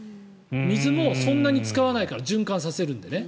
水もそんなに使わないから循環させるんでね。